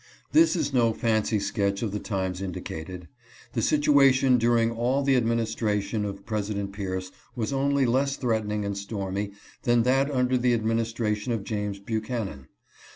" This is no fancy sketch of the times indicated. The situation during all the administration of President Pierce was only less threatening and stormy than that under the administration of James Buchanan.